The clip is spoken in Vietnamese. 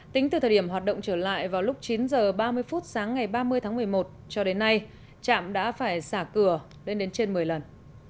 tính từ thời điểm hoạt động trở lại vào lúc chín h ba mươi phút sáng ngày ba mươi tháng một mươi một cho đến nay trạm đã phải xả cửa lên đến trên một mươi lần